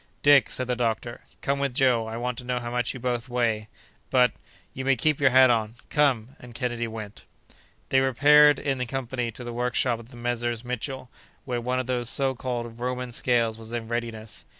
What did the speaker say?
"Dick," said the doctor, "come with Joe; I want to know how much you both weigh." "But—" "You may keep your hat on. Come!" And Kennedy went. They repaired in company to the workshop of the Messrs. Mitchell, where one of those so called "Roman" scales was in readiness.